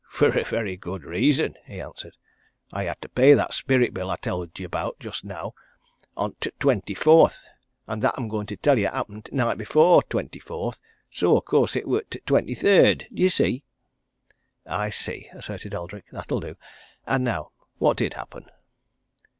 "For a very good reason," he answered. "I had to pay that spirit bill I tell'd about just now on t' twenty fourth, and that I'm going to tell you happened t' night afore t' twenty fourth, so of course it were t' twenty third. D'ye see?" "I see," asserted Eldrick. "That'll do! And now what did happen?"